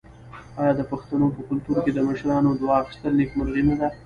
آیا د پښتنو په کلتور کې د مشرانو دعا اخیستل نیکمرغي نه ده؟